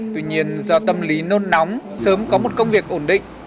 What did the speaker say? tuy nhiên do tâm lý nôn nóng sớm có một công việc ổn định